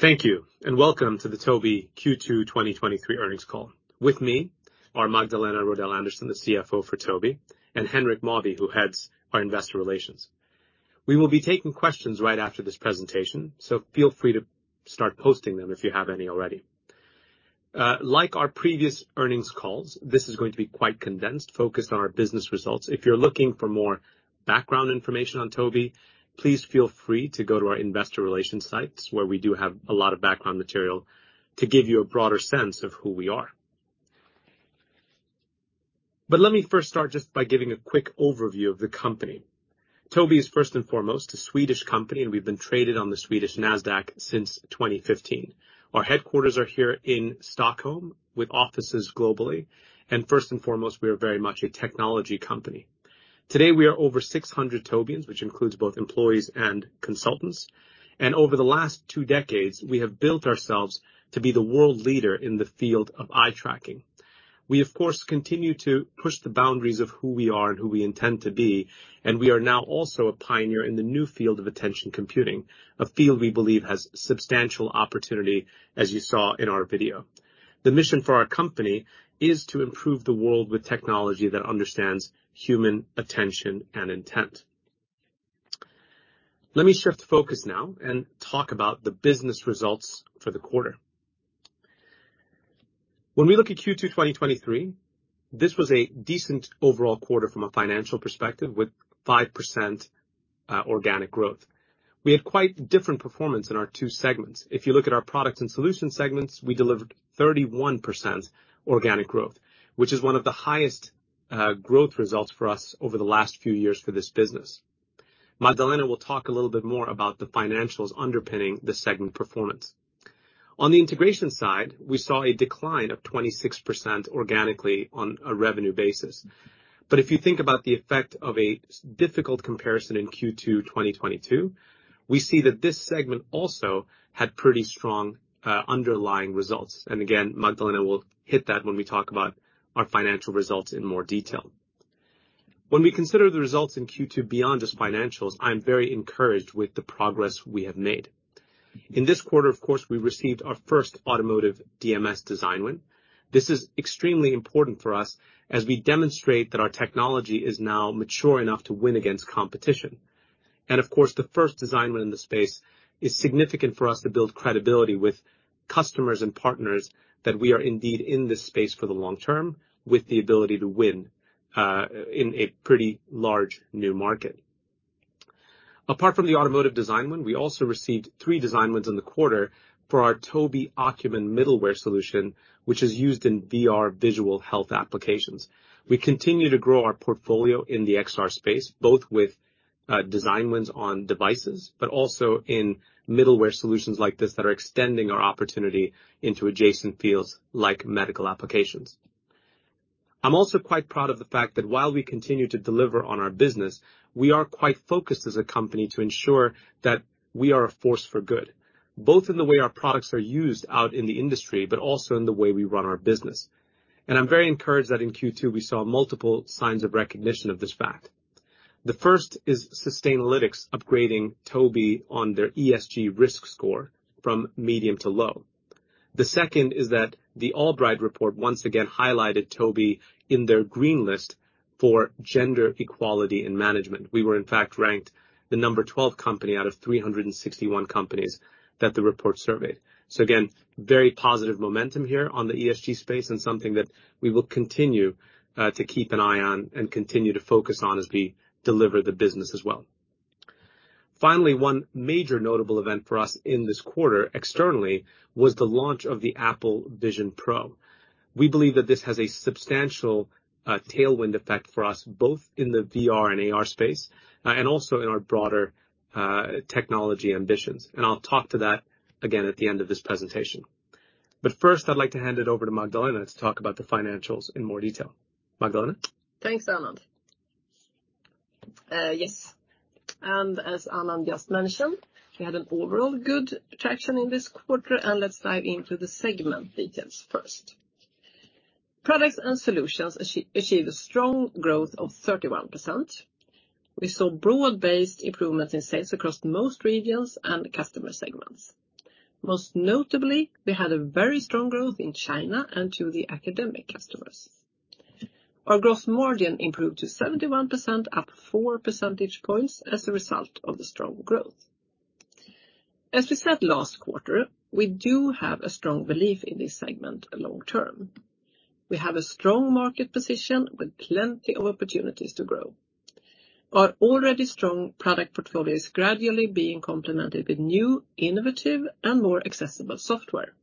Thank you. Welcome to the Tobii Q2 2023 earnings call. With me are Magdalena Rodell Andersson, the CFO for Tobii, and Henrik Mawby, who heads our investor relations. We will be taking questions right after this presentation, so feel free to start posting them if you have any already. Like our previous earnings calls, this is going to be quite condensed, focused on our business results. If you're looking for more background information on Tobii, please feel free to go to our investor relations sites, where we do have a lot of background material to give you a broader sense of who we are. Let me first start just by giving a quick overview of the company. Tobii is first and foremost a Swedish company, and we've been traded on the Swedish Nasdaq since 2015. Our headquarters are here in Stockholm, with offices globally. First and foremost, we are very much a technology company. Today, we are over 600 Tobiians, which includes both employees and consultants. Over the last two decades, we have built ourselves to be the world leader in the field of eye tracking. We, of course, continue to push the boundaries of who we are and who we intend to be. We are now also a pioneer in the new field of attention computing, a field we believe has substantial opportunity, as you saw in our video. The mission for our company is to improve the world with technology that understands human attention and intent. Let me shift focus now and talk about the business results for the quarter. When we look at Q2 2023, this was a decent overall quarter from a financial perspective, with 5% organic growth. We had quite different performance in our two segments. If you look at our products and solutions segments, we delivered 31% organic growth, which is one of the highest growth results for us over the last few years for this business. Magdalena will talk a little bit more about the financials underpinning the segment performance. On the integration side, we saw a decline of 26% organically on a revenue basis. If you think about the effect of a difficult comparison in Q2 2022, we see that this segment also had pretty strong underlying results. Again, Magdalena will hit that when we talk about our financial results in more detail. When we consider the results in Q2 beyond just financials, I'm very encouraged with the progress we have made. In this quarter, of course, we received our first automotive DMS design win. This is extremely important for us as we demonstrate that our technology is now mature enough to win against competition. Of course, the first design win in the space is significant for us to build credibility with customers and partners that we are indeed in this space for the long term, with the ability to win in a pretty large new market. Apart from the automotive design win, we also received three design wins in the quarter for our Tobii Ocumen middleware solution, which is used in VR visual health applications. We continue to grow our portfolio in the XR space, both with design wins on devices, but also in middleware solutions like this that are extending our opportunity into adjacent fields, like medical applications. I'm also quite proud of the fact that while we continue to deliver on our business, we are quite focused as a company to ensure that we are a force for good, both in the way our products are used out in the industry, but also in the way we run our business. I'm very encouraged that in Q2 we saw multiple signs of recognition of this fact. The first is Sustainalytics upgrading Tobii on their ESG risk score from medium to low. The second is that the AllBright Report once again highlighted Tobii in their green list for gender equality in management. We were, in fact, ranked the number 12 company out of 361 companies that the report surveyed. Again, very positive momentum here on the ESG space and something that we will continue to keep an eye on and continue to focus on as we deliver the business as well. Finally, one major notable event for us in this quarter externally was the launch of the Apple Vision Pro. We believe that this has a substantial tailwind effect for us, both in the VR and AR space, and also in our broader technology ambitions, and I'll talk to that again at the end of this presentation. First, I'd like to hand it over to Magdalena to talk about the financials in more detail. Magdalena? Thanks, Anand. Yes, as Anand just mentioned, we had an overall good traction in this quarter. Let's dive into the segment details first. Products and solutions achieved a strong growth of 31%. We saw broad-based improvements in sales across most regions and customer segments. Most notably, we had a very strong growth in China and to the academic customers. Our growth margin improved to 71%, up four percentage points as a result of the strong growth. As we said last quarter, we do have a strong belief in this segment long term. We have a strong market position with plenty of opportunities to grow. Our already strong product portfolio is gradually being complemented with new, innovative, and more accessible software.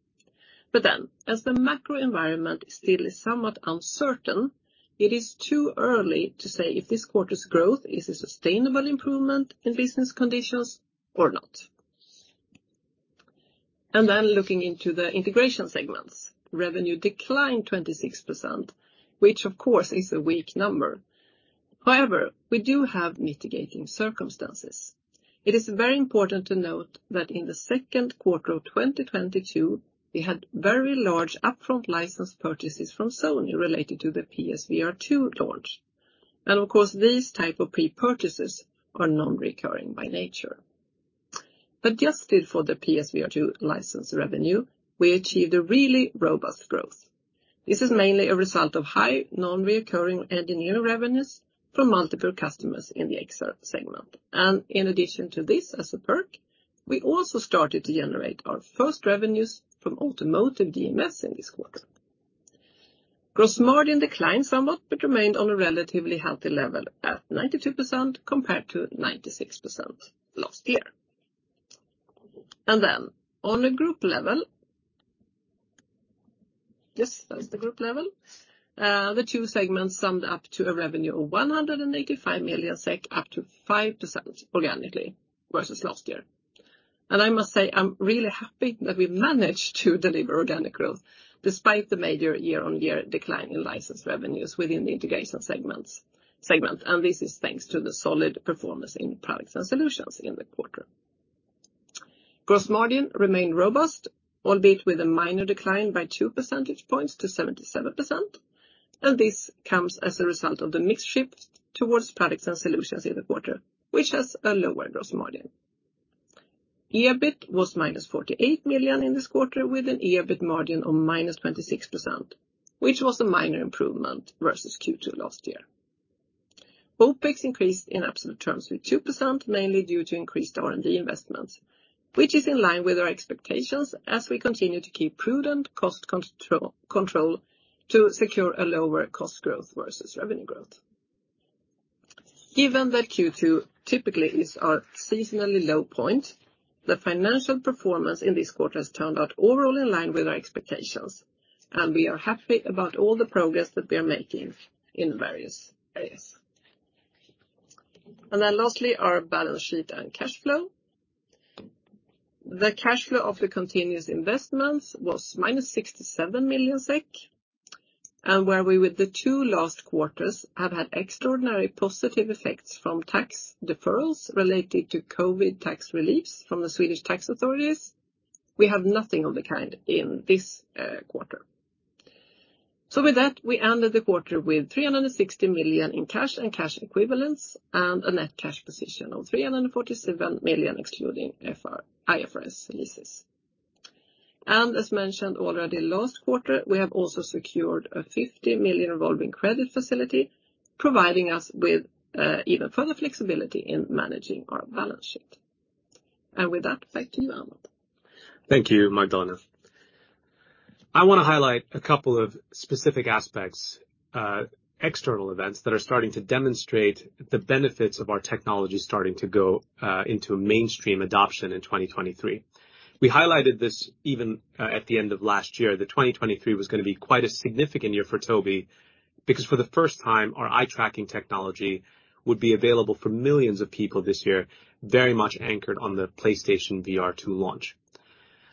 As the macro environment still is somewhat uncertain, it is too early to say if this quarter's growth is a sustainable improvement in business conditions or not. Looking into the integration segments, revenue declined 26%, which of course is a weak number. However, we do have mitigating circumstances. It is very important to note that in the second quarter of 2022, we had very large upfront license purchases from Sony related to the PSVR2 launch. Of course, these type of prepurchases are non-recurring by nature. Just for the PS VR2 license revenue, we achieved a really robust growth. This is mainly a result of high non-recurring engineering revenues from multiple customers in the XR segment. In addition to this, as a perk, we also started to generate our first revenues from automotive DMS in this quarter. Gross margin declined somewhat, but remained on a relatively healthy level at 92%, compared to 96% last year. On a group level, yes, that's the group level, the two segments summed up to a revenue of 185 million SEK, up to 5% organically versus last year. I must say, I'm really happy that we managed to deliver organic growth despite the major year-on-year decline in licensed revenues within the integration segments. This is thanks to the solid performance in products and solutions in the quarter. Gross margin remained robust, albeit with a minor decline by two percentage points to 77%. This comes as a result of the mix shift towards products and solutions in the quarter, which has a lower gross margin. EBIT was minus 48 million in this quarter, with an EBIT margin of -26%, which was a minor improvement versus Q2 last year. OPEX increased in absolute terms with 2%, mainly due to increased R&D investments, which is in line with our expectations as we continue to keep prudent cost control to secure a lower cost growth versus revenue growth. Given that Q2 typically is our seasonally low point, the financial performance in this quarter has turned out overall in line with our expectations. We are happy about all the progress that we are making in various areas. Lastly, our balance sheet and cash flow. The cash flow of the continuous investments was -67 million SEK, and where we, with the two last quarters, have had extraordinary positive effects from tax deferrals related to COVID tax reliefs from the Swedish tax authorities, we have nothing of the kind in this quarter. So with that, we ended the quarter with 360 million in cash and cash equivalents, and a net cash position of 347 million, excluding IFRS leases. As mentioned already last quarter, we have also secured a 50 million revolving credit facility, providing us with even further flexibility in managing our balance sheet. With that, back to you, Anand. Thank you, Magdalena. I want to highlight a couple of specific aspects, external events that are starting to demonstrate the benefits of our technology starting to go into mainstream adoption in 2023. We highlighted this even at the end of last year, that 2023 was gonna be quite a significant year for Tobii, because for the first time, our eye tracking technology would be available for millions of people this year, very much anchored on the PlayStation VR2 launch.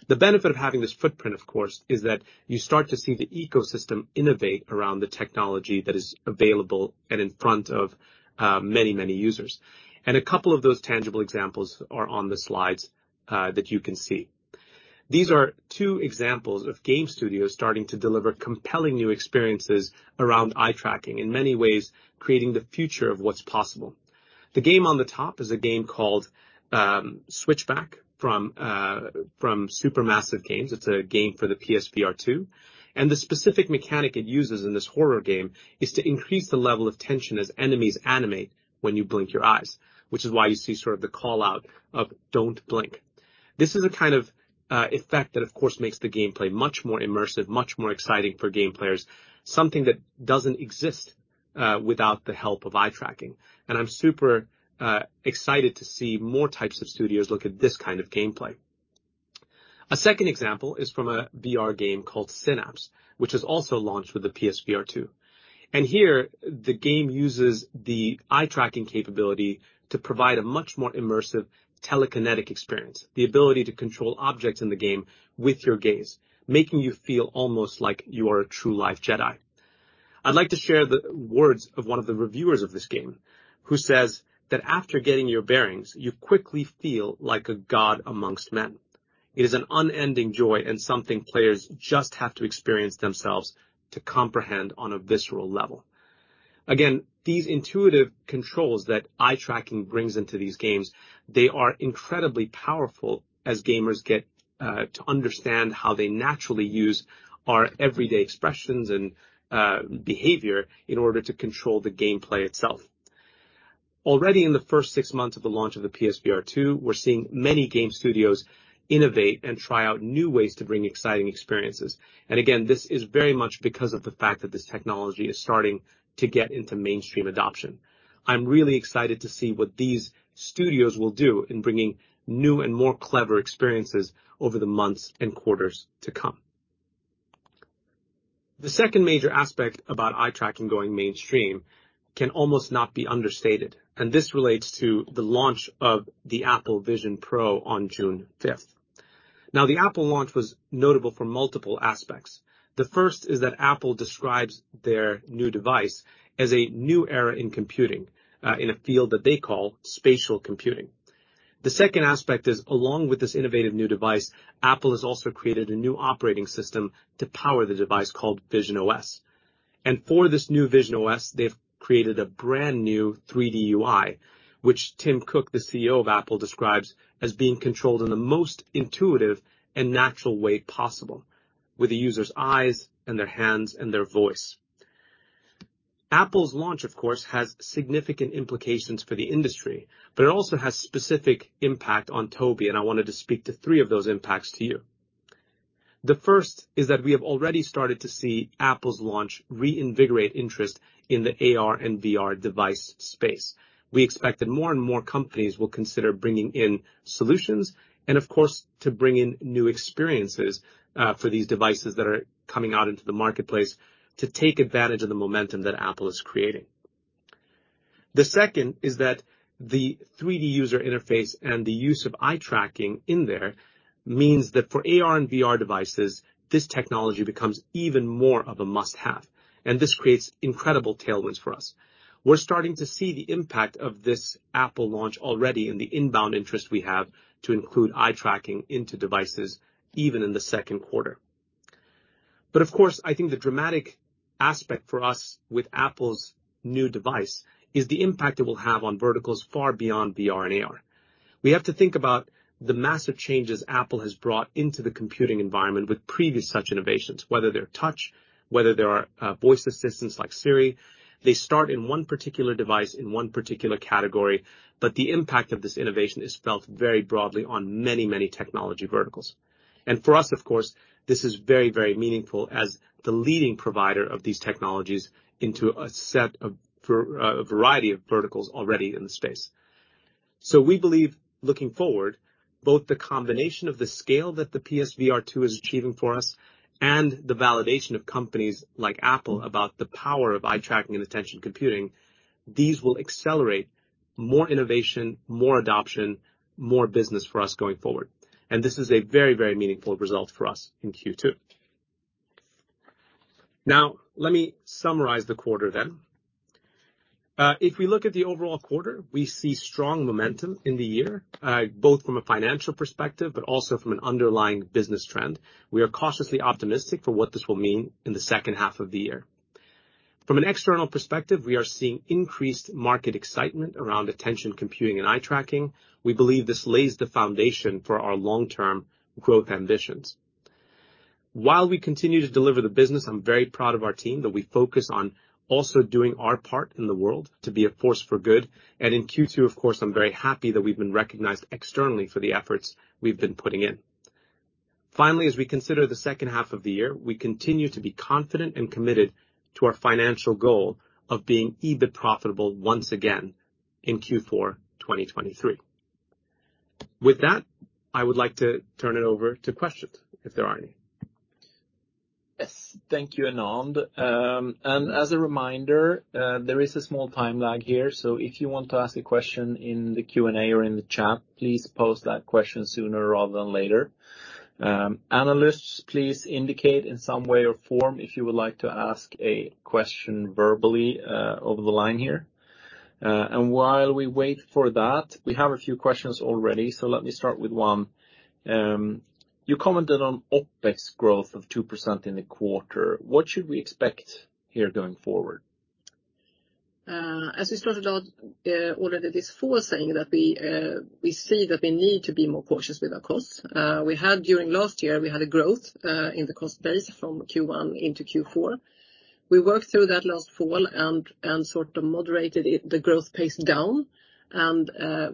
The benefit of having this footprint, of course, is that you start to see the ecosystem innovate around the technology that is available and in front of many, many users. A couple of those tangible examples are on the slides, that you can see. These are two examples of game studios starting to deliver compelling new experiences around eye tracking, in many ways, creating the future of what's possible. The game on the top is a game called Switchback from Supermassive Games. It's a game for the PS VR2, and the specific mechanic it uses in this horror game is to increase the level of tension as enemies animate when you blink your eyes, which is why you see sort of the call-out of, "Don't blink!" This is the kind of effect that, of course, makes the gameplay much more immersive, much more exciting for game players, something that doesn't exist without the help of eye tracking. I'm super excited to see more types of studios look at this kind of gameplay. A second example is from a VR game called Synapse, which is also launched with the PS VR2. Here, the game uses the eye-tracking capability to provide a much more immersive telekinetic experience, the ability to control objects in the game with your gaze, making you feel almost like you are a true-life Jedi. I'd like to share the words of one of the reviewers of this game, who says that after getting your bearings, you quickly feel like a god amongst men. It is an unending joy and something players just have to experience themselves to comprehend on a visceral level. Again, these intuitive controls that eye tracking brings into these games, they are incredibly powerful as gamers get to understand how they naturally use our everyday expressions and behavior in order to control the gameplay itself. Already in the first six months of the launch of the PS VR2, we're seeing many game studios innovate and try out new ways to bring exciting experiences. Again, this is very much because of the fact that this technology is starting to get into mainstream adoption. I'm really excited to see what these studios will do in bringing new and more clever experiences over the months and quarters to come. The second major aspect about eye tracking going mainstream can almost not be understated, and this relates to the launch of the Apple Vision Pro on June 5th. Now, the Apple launch was notable for multiple aspects. The first is that Apple describes their new device as a new era in computing, in a field that they call spatial computing... The second aspect is, along with this innovative new device, Apple has also created a new operating system to power the device, called visionOS. For this new visionOS, they've created a brand-new 3D UI, which Tim Cook, the CEO of Apple, describes as being controlled in the most intuitive and natural way possible, with the user's eyes and their hands and their voice. Apple's launch, of course, has significant implications for the industry. It also has specific impact on Tobii, and I wanted to speak to three of those impacts to you. The first is that we have already started to see Apple's launch reinvigorate interest in the AR and VR device space. We expect that more and more companies will consider bringing in solutions and, of course, to bring in new experiences, for these devices that are coming out into the marketplace to take advantage of the momentum that Apple is creating. The second is that the 3D user interface and the use of eye-tracking in there means that for AR and VR devices, this technology becomes even more of a must-have, and this creates incredible tailwinds for us. We're starting to see the impact of this Apple launch already in the inbound interest we have to include eye-tracking into devices, even in the second quarter. Of course, I think the dramatic aspect for us with Apple's new device is the impact it will have on verticals far beyond VR and AR. We have to think about the massive changes Apple has brought into the computing environment with previous such innovations, whether they're touch, whether they are voice assistants like Siri. They start in one particular device, in one particular category, but the impact of this innovation is felt very broadly on many, many technology verticals. For us, of course, this is very, very meaningful as the leading provider of these technologies into a variety of verticals already in the space. We believe, looking forward, both the combination of the scale that the PS VR2 is achieving for us and the validation of companies like Apple about the power of eye-tracking and attention computing, these will accelerate more innovation, more adoption, more business for us going forward. This is a very, very meaningful result for us in Q2. Let me summarize the quarter then. If we look at the overall quarter, we see strong momentum in the year, both from a financial perspective, but also from an underlying business trend. We are cautiously optimistic for what this will mean in the second half of the year. From an external perspective, we are seeing increased market excitement around attention computing and eye tracking. We believe this lays the foundation for our long-term growth ambitions. While we continue to deliver the business, I'm very proud of our team, that we focus on also doing our part in the world to be a force for good. In Q2, of course, I'm very happy that we've been recognized externally for the efforts we've been putting in. Finally, as we consider the second half of the year, we continue to be confident and committed to our financial goal of being EBIT profitable once again in Q4 2023. With that, I would like to turn it over to questions, if there are any. Yes, thank you, Anand. As a reminder, there is a small time lag here, so if you want to ask a question in the Q&A or in the chat, please pose that question sooner rather than later. Analysts, please indicate in some way or form if you would like to ask a question verbally, over the line here. While we wait for that, we have a few questions already, so let me start with one. You commented on OpEx growth of 2% in the quarter. What should we expect here, going forward? As we started out, already this fall, saying that we see that we need to be more cautious with our costs. We had, during last year, we had a growth, in the cost base from Q1 into Q4. We worked through that last fall and sort of moderated it, the growth pace down.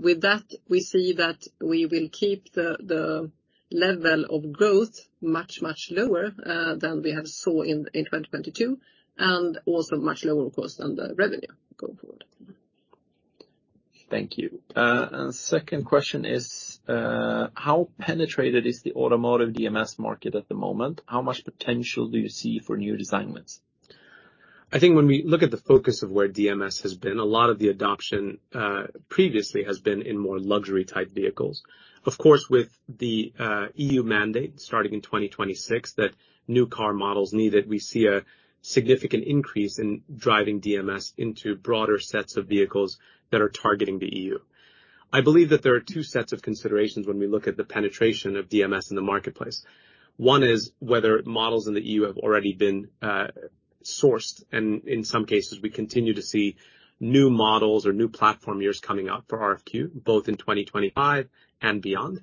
With that, we see that we will keep the level of growth much, much lower than we have saw in 2022, and also much lower costs than the revenue going forward. Thank you. Second question is: How penetrated is the automotive DMS market at the moment? How much potential do you see for new design wins? I think when we look at the focus of where DMS has been, a lot of the adoption previously has been in more luxury-type vehicles. Of course, with the EU mandate starting in 2026, that new car models needed, we see a significant increase in driving DMS into broader sets of vehicles that are targeting the EU. I believe that there are two sets of considerations when we look at the penetration of DMS in the marketplace. One is whether models in the EU have already been sourced, and in some cases, we continue to see new models or new platform years coming up for RFQ, both in 2025 and beyond.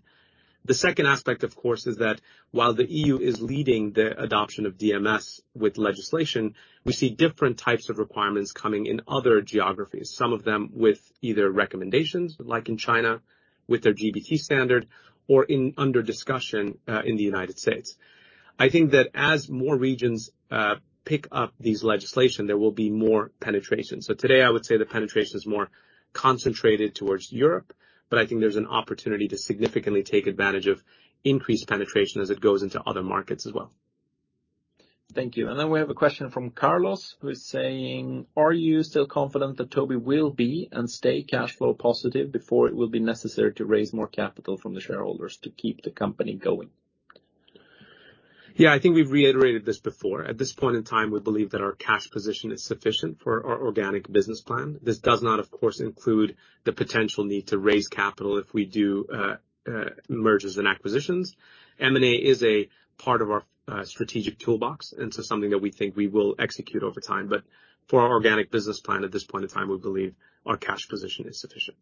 The second aspect, of course, is that while the EU is leading the adoption of DMS with legislation, we see different types of requirements coming in other geographies, some of them with either recommendations, like in China with their GB/T standard, or in under discussion in the United States. I think that as more regions pick up these legislation, there will be more penetration. Today I would say the penetration is more concentrated towards Europe, but I think there's an opportunity to significantly take advantage of increased penetration as it goes into other markets as well. Thank you. We have a question from Carlos, who is saying: Are you still confident that Tobii will be and stay cash flow positive before it will be necessary to raise more capital from the shareholders to keep the company going? Yeah, I think we've reiterated this before. At this point in time, we believe that our cash position is sufficient for our organic business plan. This does not, of course, include the potential need to raise capital if we do mergers and acquisitions. M&A is a part of our strategic toolbox. Something that we think we will execute over time. For our organic business plan, at this point in time, we believe our cash position is sufficient.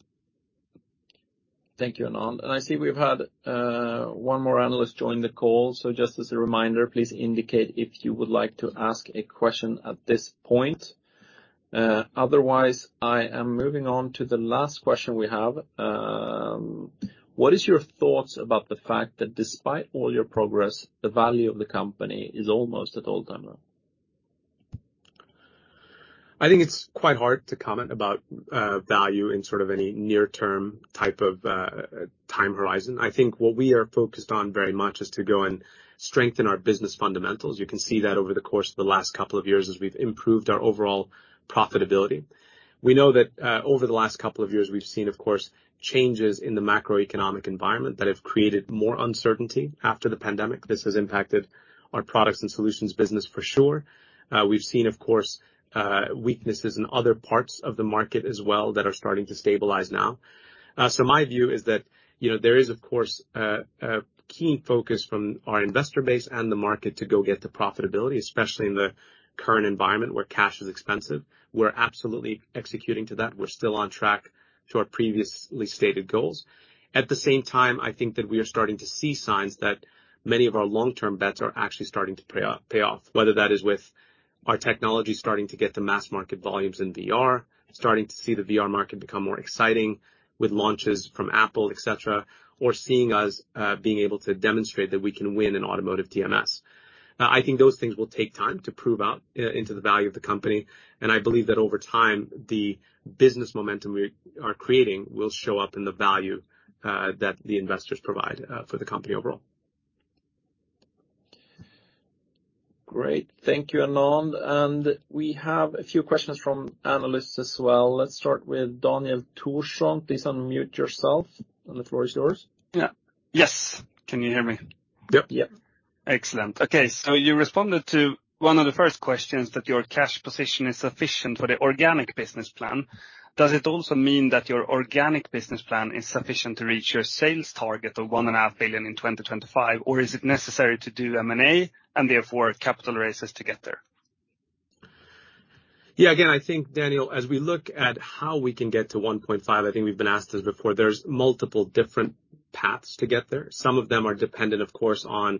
Thank you, Anand. I see we've had one more analyst join the call. Just as a reminder, please indicate if you would like to ask a question at this point. Otherwise, I am moving on to the last question we have. What is your thoughts about the fact that despite all your progress, the value of the company is almost at all-time low? I think it's quite hard to comment about value in sort of any near-term type of time horizon. I think what we are focused on very much is to go and strengthen our business fundamentals. You can see that over the course of the last couple of years, as we've improved our overall profitability. We know that over the last couple of years, we've seen, of course, changes in the macroeconomic environment that have created more uncertainty after the pandemic. This has impacted our products and solutions business for sure. We've seen, of course, weaknesses in other parts of the market as well, that are starting to stabilize now. My view is that, you know, there is, of course, a key focus from our investor base and the market to go get the profitability, especially in the current environment, where cash is expensive. We're absolutely executing to that. We're still on track to our previously stated goals. At the same time, I think that we are starting to see signs that many of our long-term bets are actually starting to pay off, whether that is with our technology starting to get the mass market volumes in VR, starting to see the VR market become more exciting with launches from Apple, et cetera, or seeing us being able to demonstrate that we can win an automotive DMS. I think those things will take time to prove out, into the value of the company, and I believe that over time, the business momentum we are creating will show up in the value, that the investors provide, for the company overall. Great. Thank you, Anand. We have a few questions from analysts as well. Let's start with Daniel Thorsson. Please unmute yourself, and the floor is yours. Yeah. Yes. Can you hear me? Yep. Yep. Excellent. You responded to one of the first questions that your cash position is sufficient for the organic business plan. Does it also mean that your organic business plan is sufficient to reach your sales target of one and a half billion in 2025, or is it necessary to do M&A, and therefore, capital raises to get there? Again, I think, Daniel, as we look at how we can get to 1.5, I think we've been asked this before, there's multiple different paths to get there. Some of them are dependent, of course, on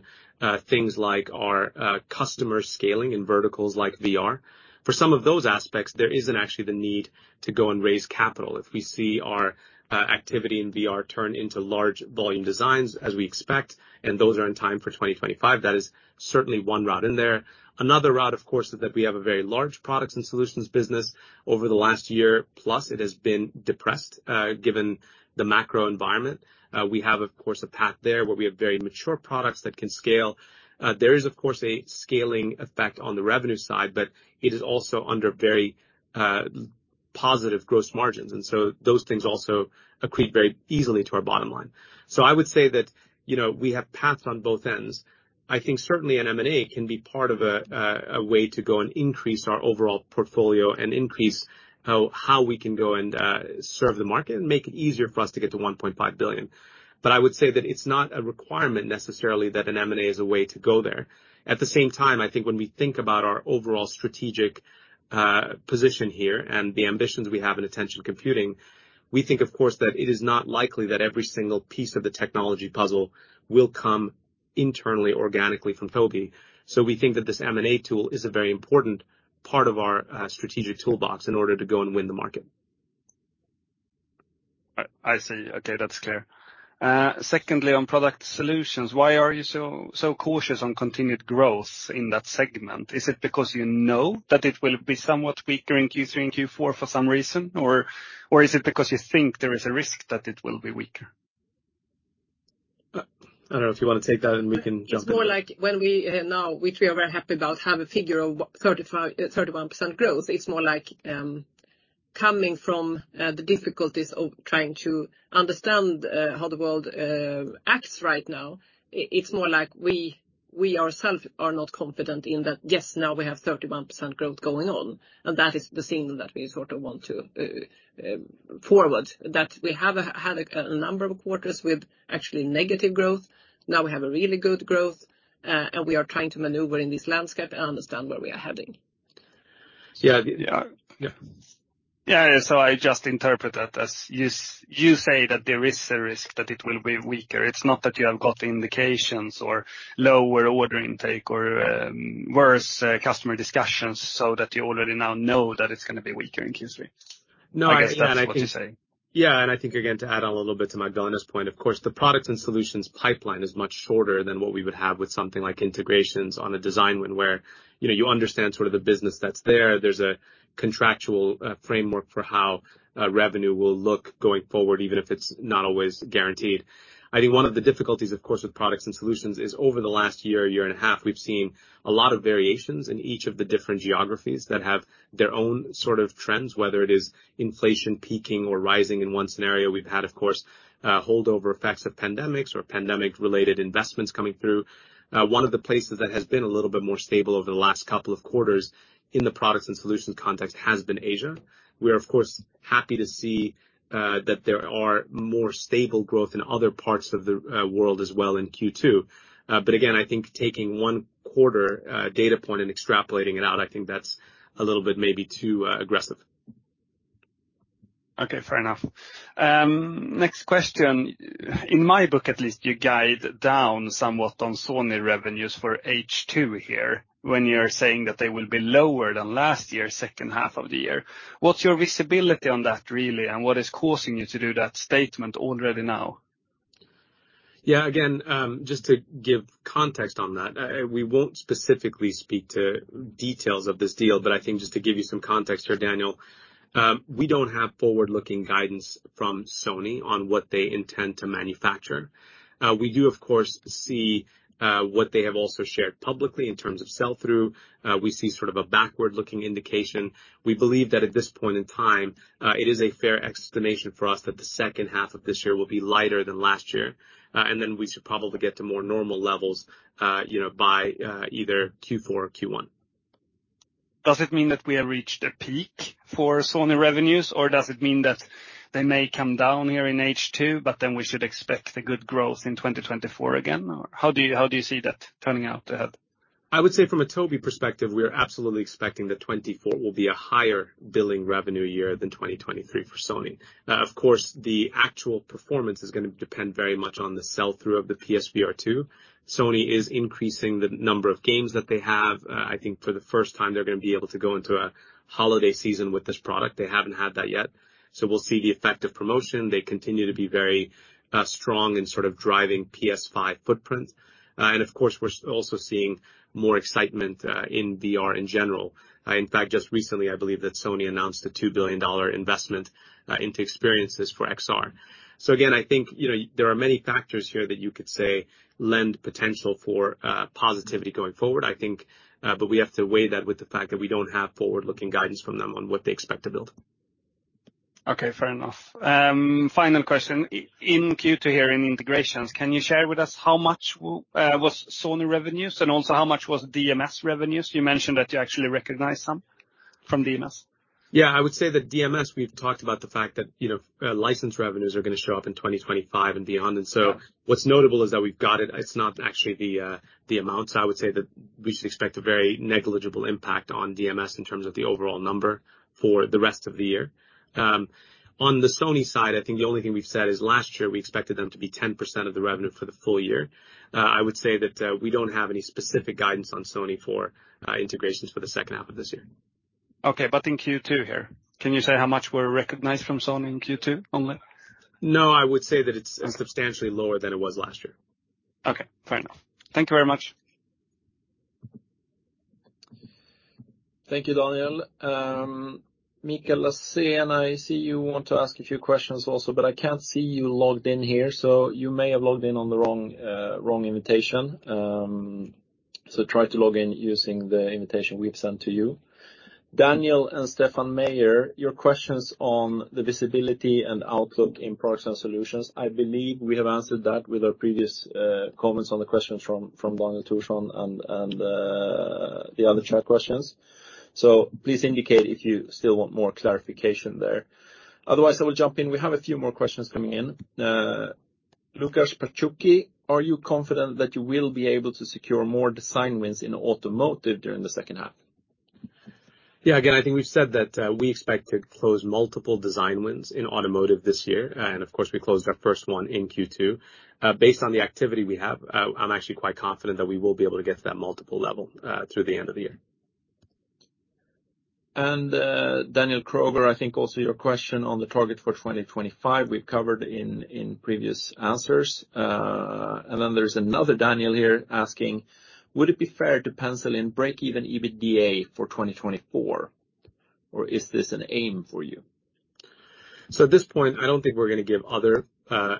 things like our customer scaling in verticals like VR. For some of those aspects, there isn't actually the need to go and raise capital. If we see our activity in VR turn into large volume designs, as we expect, and those are in time for 2025, that is certainly one route in there. Another route, of course, is that we have a very large products and solutions business. Over the last year, plus it has been depressed, given the macro environment. We have, of course, a path there where we have very mature products that can scale. There is, of course, a scaling effect on the revenue side, but it is also under very positive gross margins, and so those things also accrete very easily to our bottom line. I would say that, you know, we have paths on both ends. I think certainly an M&A can be part of a way to go and increase our overall portfolio and increase how we can go and serve the market and make it easier for us to get to 1.5 billion. I would say that it's not a requirement necessarily that an M&A is a way to go there. At the same time, I think when we think about our overall strategic position here and the ambitions we have in attention computing, we think, of course, that it is not likely that every single piece of the technology puzzle will come internally, organically from Tobii. We think that this M&A tool is a very important part of our strategic toolbox in order to go and win the market. I see. Okay, that's clear. Secondly, on product solutions, why are you so cautious on continued growth in that segment? Is it because you know that it will be somewhat weaker in Q3 and Q4 for some reason, or is it because you think there is a risk that it will be weaker? I don't know if you want to take that, and we can jump in. It's more like when we, now, which we are very happy about, have a figure of what 35%, 31% growth. It's more like, coming from, the difficulties of trying to understand, how the world, acts right now. It's more like we ourselves are not confident in that, yes, now we have 31% growth going on, and that is the signal that we sort of want to forward. That we had a number of quarters with actually negative growth. Now, we have a really good growth, and we are trying to maneuver in this landscape and understand where we are heading. Yeah. Yeah. Yeah. Yeah, yeah. I just interpret that as you say that there is a risk that it will be weaker. It's not that you have got indications or lower order intake or worse customer discussions so that you already now know that it's gonna be weaker in Q3. No, I understand. I guess that's what you're saying. I think, again, to add on a little bit to Magdalena's point, of course, the products and solutions pipeline is much shorter than what we would have with something like integrations on a design win, where, you know, you understand sort of the business that's there. There's a contractual framework for how revenue will look going forward, even if it's not always guaranteed. I think one of the difficulties, of course, with products and solutions is over the last year and a half, we've seen a lot of variations in each of the different geographies that have their own sort of trends, whether it is inflation peaking or rising in one scenario. We've had, of course, holdover effects of pandemics or pandemic-related investments coming through. One of the places that has been a little bit more stable over the last couple of quarters in the products and solutions context has been Asia. We are, of course, happy to see that there are more stable growth in other parts of the world as well in Q2. Again, I think taking one quarter data point and extrapolating it out, I think that's a little bit maybe too aggressive. Okay, fair enough. Next question. In my book, at least, you guide down somewhat on Sony revenues for H2 here, when you're saying that they will be lower than last year, second half of the year. What's your visibility on that, really? What is causing you to do that statement already now? Yeah, again, just to give context on that, we won't specifically speak to details of this deal, but I think just to give you some context here, Daniel, we don't have forward-looking guidance from Sony on what they intend to manufacture. We do, of course, see what they have also shared publicly in terms of sell-through. We see sort of a backward-looking indication. We believe that at this point in time, it is a fair explanation for us that the second half of this year will be lighter than last year. We should probably get to more normal levels, you know, by either Q4 or Q1. Does it mean that we have reached a peak for Sony revenues, or does it mean that they may come down here in H2, but then we should expect a good growth in 2024 again? How do you, how do you see that turning out ahead? I would say from a Tobii perspective, we are absolutely expecting that 2024 will be a higher billing revenue year than 2023 for Sony. Of course, the actual performance is gonna depend very much on the sell-through of the PSVR2. Sony is increasing the number of games that they have. I think for the first time, they're gonna be able to go into a holiday season with this product. They haven't had that yet. We'll see the effect of promotion. They continue to be very strong in sort of driving PS5 footprint. Of course, we're also seeing more excitement in VR in general. In fact, just recently, I believe that Sony announced a $2 billion investment into experiences for XR. Again, I think, you know, there are many factors here that you could say lend potential for positivity going forward, I think. We have to weigh that with the fact that we don't have forward-looking guidance from them on what they expect to build. Okay, fair enough. Final question, in Q2 here, in integrations, can you share with us how much was Sony revenues and also how much was DMS revenues? You mentioned that you actually recognized some from DMS. Yeah, I would say that DMS, we've talked about the fact that, you know, license revenues are gonna show up in 2025 and beyond. Yeah. What's notable is that we've got it. It's not actually the amount. I would say that we should expect a very negligible impact on DMS in terms of the overall number for the rest of the year. On the Sony side, I think the only thing we've said is last year, we expected them to be 10% of the revenue for the full year. I would say that we don't have any specific guidance on Sony for integrations for the second half of this year. Okay, in Q2 here, can you say how much were recognized from Sony in Q2 only? No, I would say that. Okay... substantially lower than it was last year. Okay. Fair enough. Thank you very much. Thank you, Daniel. Mikael Lasson, I see you want to ask a few questions also, but I can't see you logged in here. You may have logged in on the wrong invitation. Try to log in using the invitation we've sent to you. Daniel and Stefan Meyer, your questions on the visibility and outlook in products and solutions, I believe we have answered that with our previous comments on the question from Daniel Thorsson and the other chat questions. Please indicate if you still want more clarification there. Otherwise, I will jump in. We have a few more questions coming in. Lucas Pachuki, are you confident that you will be able to secure more design wins in automotive during the second half? Again, I think we've said that, we expect to close multiple design wins in automotive this year, and of course, we closed our first one in Q2. Based on the activity we have, I'm actually quite confident that we will be able to get to that multiple level, through the end of the year. Daniel Kroger, I think also your question on the target for 2025, we've covered in previous answers. Then there's another Daniel here asking: Would it be fair to pencil in break-even EBITDA for 2024, or is this an aim for you? At this point, I don't think we're gonna give other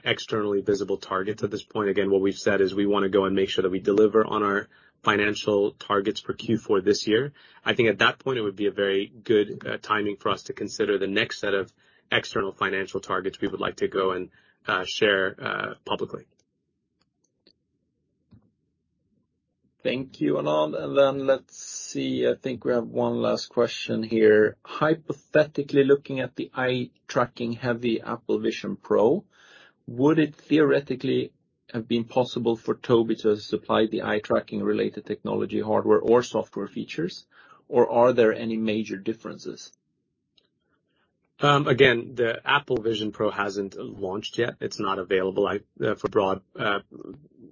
externally visible targets at this point. Again, what we've said is we wanna go and make sure that we deliver on our financial targets for Q4 this year. I think at that point, it would be a very good timing for us to consider the next set of external financial targets we would like to go and share publicly. Thank you, Anand. Let's see. I think we have one last question here. Hypothetically, looking at the eye-tracking heavy Apple Vision Pro, would it theoretically have been possible for Tobii to have supplied the eye-tracking related technology, hardware or software features, or are there any major differences? Again, the Apple Vision Pro hasn't launched yet. It's not available for broad,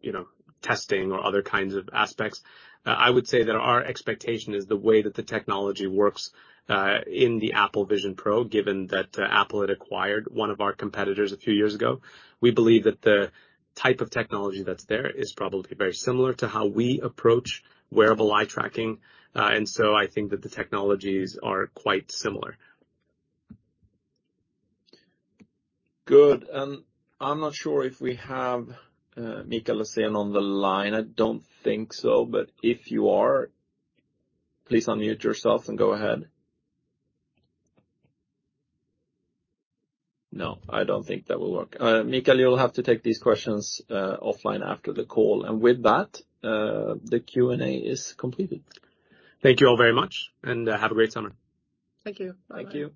you know, testing or other kinds of aspects. I would say that our expectation is the way that the technology works in the Apple Vision Pro, given that Apple had acquired one of our competitors a few years ago. We believe that the type of technology that's there is probably very similar to how we approach wearable eye tracking, and so I think that the technologies are quite similar. Good. I'm not sure if we have Mikael Lasson on the line. I don't think so, but if you are, please unmute yourself and go ahead. No, I don't think that will work. Mika, you'll have to take these questions offline after the call. With that, the Q&A is completed. Thank you all very much, and, have a great summer. Thank you. Bye. Thank you.